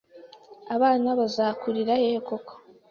abana bazakurira hehe koko